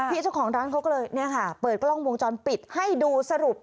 เจ้าของร้านเขาก็เลยเนี่ยค่ะเปิดกล้องวงจรปิดให้ดูสรุป